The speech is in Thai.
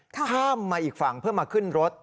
ข้ามมาอีกฝั่งเพื่อมาขึ้นรถ